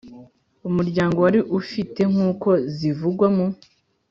umuryango wari ufite nk uko zivungwa mu